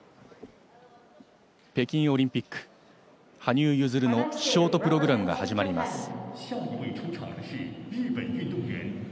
北京オリンピック、羽生結弦のショートプログラムが始まります。